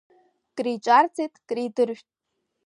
Криҿарҵет, кридыржәт.